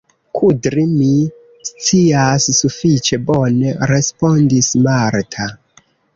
Kudri mi scias sufiĉe bone, respondis Marta.